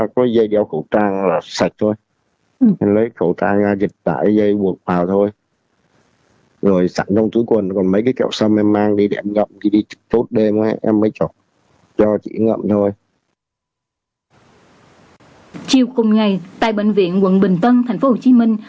chiều cùng ngày tại bệnh viện quận bình tân thành phố hồ chí minh